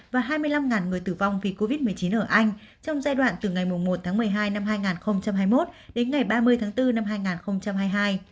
và hai mươi năm người tử vong vì covid một mươi chín ở anh trong giai đoạn từ ngày một một mươi hai hai nghìn hai mươi một đến ngày ba mươi bốn hai nghìn hai mươi hai